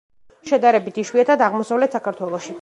შედარებით იშვიათად აღმოსავლეთ საქართველოში.